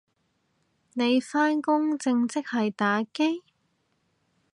你返工正職係打機？